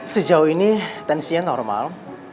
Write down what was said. sejauh ini tensinya normal